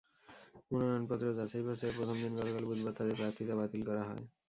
মনোনয়নপত্র যাচাই-বাছাইয়ের প্রথম দিন গতকাল বুধবার তাঁদের প্রার্থিতা বাতিল করা হয়।